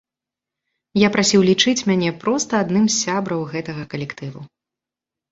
Я прасіў лічыць мяне проста адным з сябраў гэтага калектыву.